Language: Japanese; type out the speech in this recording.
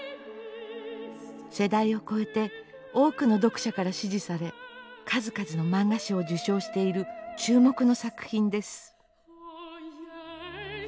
世代を超えて多くの読者から支持され数々の漫画賞を受賞している注目の作品です。